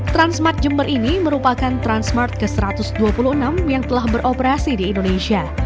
transmart jember ini merupakan transmart ke satu ratus dua puluh enam yang telah beroperasi di indonesia